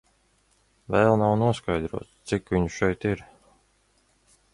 Vēl nav noskaidrots, cik viņu šeit ir.